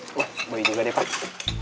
udah boleh juga deh pak